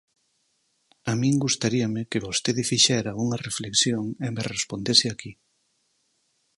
A min gustaríame que vostede fixera unha reflexión e me respondese aquí.